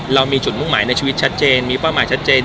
เรามีจุดมุ่งหมายในชีวิตชัดเจนมีเป้าหมายชัดเจน